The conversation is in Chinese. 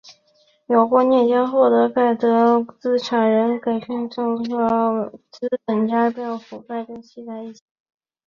有观念将获得既得资产的人定义为政治资本家并与腐败联系在一起。